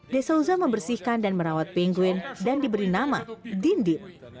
de souza membersihkan dan merawat pinguin dan diberi nama dindim